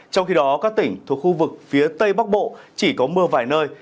trong khi đó các tỉnh thuộc khu vực phía tây bắc bộ chỉ có mưa vài nơi